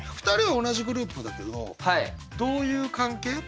２人は同じグループだけどどういう関係？